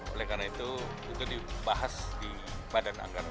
oleh karena itu itu dibahas di badan anggaran